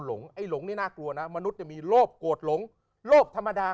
ไอ้หลงนี่น่ากลัวนะมนุษย์มีโลภโกรธหลงโลภธรรมดา